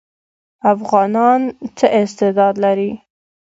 افغانان څه استعداد لري؟